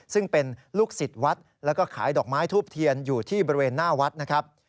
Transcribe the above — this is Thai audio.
ซึ่งเป็นลูกศิษย์วัดแล้วก็ขายดอกไม้ทูบเทียนอยู่ที่บริเวณหน้าวัดนะครับ